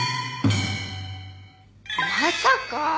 まさか！